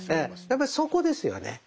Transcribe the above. やっぱりそこですよね。